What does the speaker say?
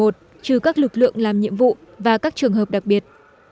trừ các lực lượng làm nhiệm vụ và các trường hợp đặc biệt